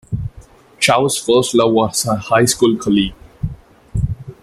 Chow's first love was her high school colleague.